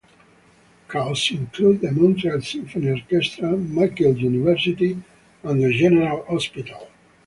Causes included The Montreal Symphony Orchestra, McGill University and The Jewish General Hospital.